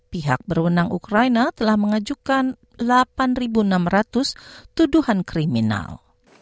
perwenang ukraina telah mengajukan delapan enam ratus tuduhan kriminal